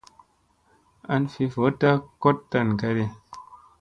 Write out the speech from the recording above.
An fi voɗta koɗ tan kadi.